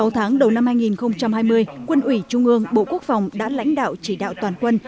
sáu tháng đầu năm hai nghìn hai mươi quân ủy trung ương bộ quốc phòng đã lãnh đạo chỉ đạo toàn quân